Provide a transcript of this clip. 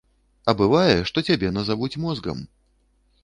А бывае, што цябе назавуць мозгам.